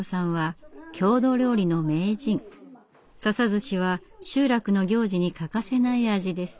笹ずしは集落の行事に欠かせない味です。